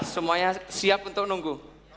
semuanya siap untuk nunggu